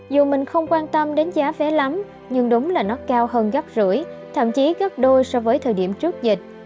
dù mình không quan tâm đến giá vé lắm nhưng đúng là nó cao hơn gấp rưỡi thậm chí gấp đôi so với thời điểm trước dịch